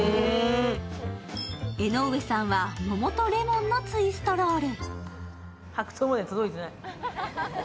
江上さんは、桃とレモンのツイストロール。